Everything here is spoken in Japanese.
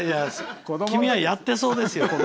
君はやってそうです。